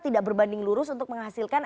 tidak berbanding lurus untuk menghasilkan